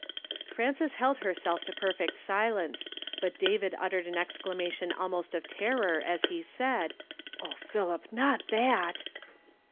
Frances held hei self to perfect silence : but David uttered an exclamation almost of terror as he said, — "O Philip! not that!"